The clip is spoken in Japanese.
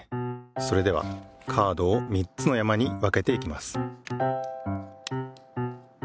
それではカードを３つの山に分けていきます。